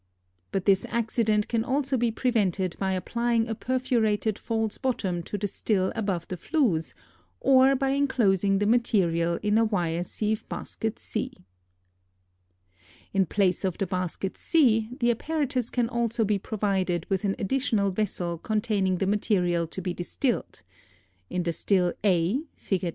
But this accident can also be prevented by applying a perforated false bottom to the still above the flues, or by inclosing the material in a wire sieve basket C. [Illustration: FIG. 10.] In place of the basket C the apparatus can also be provided with an additional vessel containing the material to be distilled. In the still A (Fig.